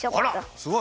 すごい！